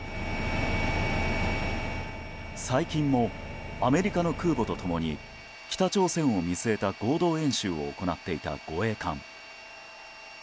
最近もアメリカの空母と共に北朝鮮を見据えた合同演習を行っていた護衛艦。